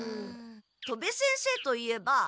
戸部先生といえば。